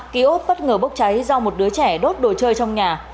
ký ốt bất ngờ bốc cháy do một đứa trẻ đốt đồ chơi trong nhà